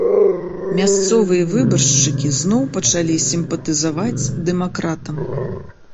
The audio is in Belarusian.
Мясцовыя выбаршчыкі зноў пачалі сімпатызаваць дэмакратам.